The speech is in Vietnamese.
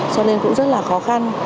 cho nên cũng rất là khó khăn